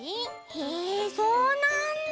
へえそうなんだ。